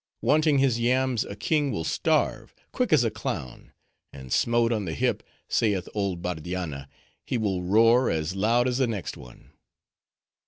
Wanting his yams a king will starve, quick as a clown; and smote on the hip, saith old Bardianna, he will roar as loud as the next one."